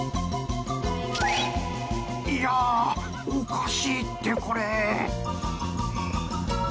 いや、おかしいって、これ。